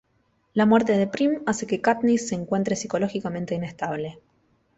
La muerte de Prim hace que Katniss se encuentre psicológicamente inestable.